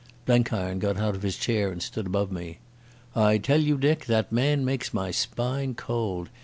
Blenkiron got out of his chair and stood above me. "I tell you, Dick, that man makes my spine cold.